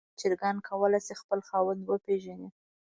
چرګان کولی شي خپل خاوند وپیژني.